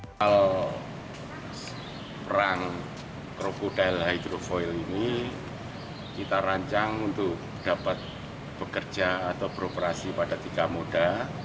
kapal perang krokodil hidrofoil ini kita rancang untuk dapat bekerja atau beroperasi pada tiga mode